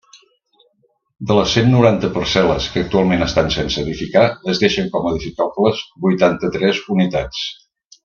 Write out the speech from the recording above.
De les cent noranta parcel·les que actualment estan sense edificar es deixen com a edificables vuitanta-tres unitats.